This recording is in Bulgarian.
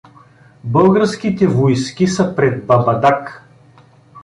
Българските войски са пред Бабадаг.